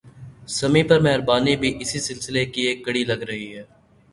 سمیع پر مہربانی بھی اسی سلسلے کی ایک کڑی لگ رہی ہے